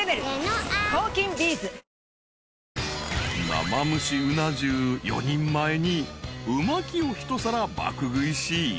［生蒸し鰻重４人前にう巻きを１皿爆食いし